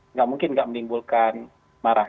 nggak mungkin nggak menimbulkan marah